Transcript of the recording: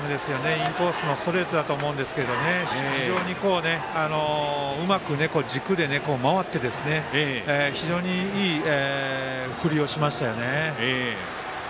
インコースのストレートだと思うんですが非常にうまく軸で回って非常にいい振りをしましたよね。